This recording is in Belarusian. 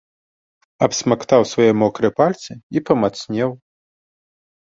Абсмактаў свае мокрыя пальцы і памацнеў.